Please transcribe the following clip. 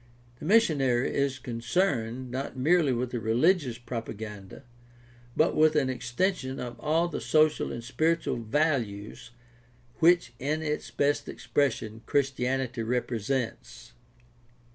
The missionary is con cerned, not merely with a religious propaganda, but with an extension of all the social and spiritual values which in its best expression Christianity represents.